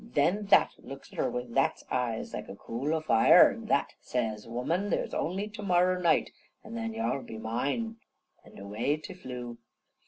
Then that looks at her with that's eyes like a cool o' fire, an that says, "Woman, there's only to morrer night, an' then yar'll be mine!" An' away te flew.